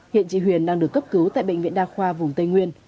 hiện chị huyền đang được cấp cứu tại bệnh viện đa khoa vùng tây nguyên